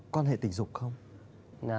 quan hệ tình dục không